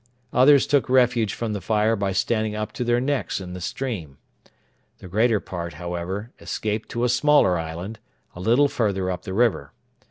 Others took refuge from the fire by standing up to their necks in the stream. The greater part, however, escaped to a smaller island a little further up the river.